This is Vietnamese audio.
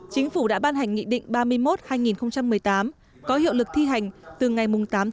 chính phủ đã ban hành nghị định ba mươi một hai nghìn một mươi tám có hiệu lực thi hành từ ngày tám ba hai nghìn một mươi tám